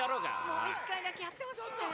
もう一回だけやってほしいんだよ